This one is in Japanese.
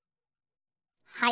はい。